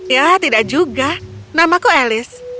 ya tidak juga namaku elis